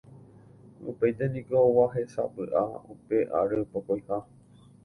Upéinte niko oguahẽsapy'a upe ary pokõiha